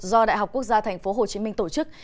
do đại học quốc gia thành phố hồ chí minh tổ chức